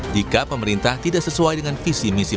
jika pemerintah tidak sesuai dengan visi misi